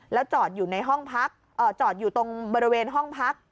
แล้วจอดอยู่ในห้องพักจอดอยู่ตรงบริเวณห้องพัก